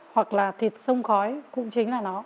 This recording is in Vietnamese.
hoặc là thịt sông khói cũng chính là nó